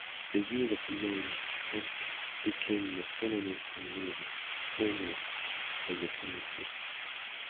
The use of the name "franc" became a synonym for livre tournois in accounting.